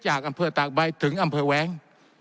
จากอำเภอตากใบถึงอำเภอแว้ง